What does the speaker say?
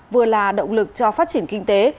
vừa là động lực cho phát triển kinh tế